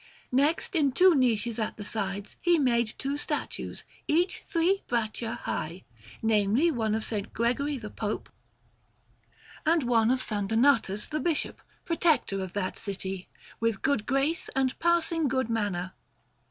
Next, in two niches at the sides, he made two statues, each three braccia high namely, one of S. Gregory the Pope, and one of S. Donatus the Bishop, Protector of that city, with good grace and passing good manner.